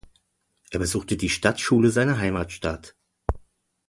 Er besuchte die Stadtschule seiner Heimatstadt.